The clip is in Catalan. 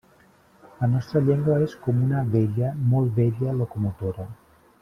La nostra llengua és com una vella, molt vella, locomotora.